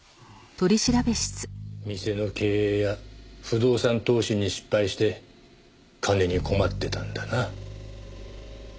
店の経営や不動産投資に失敗して金に困ってたんだな。